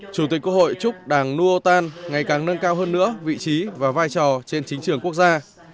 chủ tịch quốc hội chúc đảng nuotan ngày càng nâng cao hơn nữa vị trí và vai trò trên chính trường quốc gia